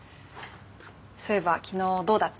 そういえば昨日どうだった？